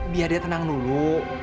biar dia tenang dulu